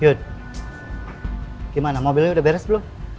yuk gimana mobilnya udah beres belum